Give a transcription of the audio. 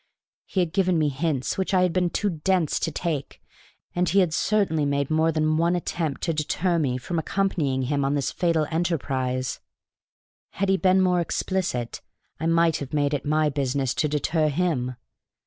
He had given me hints, which I had been too dense to take, and he had certainly made more than one attempt to deter me from accompanying him on this fatal emprise; had he been more explicit, I might have made it my business to deter him.